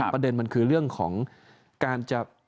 ประเด็นมันคือเรื่องของการจะ